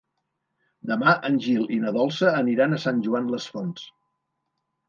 Demà en Gil i na Dolça aniran a Sant Joan les Fonts.